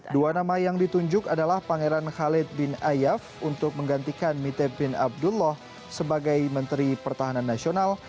dua nama yang ditunjuk adalah pangeran khalid bin ayaf untuk menggantikan mite bin abdullah sebagai menteri pertahanan nasional